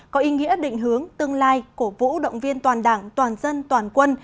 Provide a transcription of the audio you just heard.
có ý nghĩa định hướng tương lai cổ vũ động viên toàn đảng toàn dân toàn quân